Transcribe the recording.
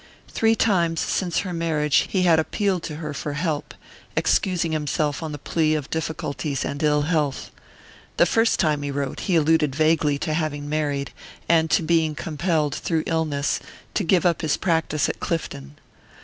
Three times since her marriage he had appealed to her for help, excusing himself on the plea of difficulties and ill health. The first time he wrote, he alluded vaguely to having married, and to being compelled, through illness, to give up his practice at Clifton.